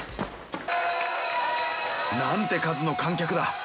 なんて数の観客だ！